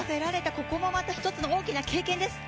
ここもまた一つの大きな経験です。